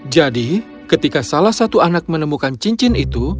jadi ketika salah satu anak menemukan cincin itu